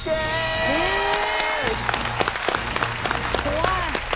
怖い。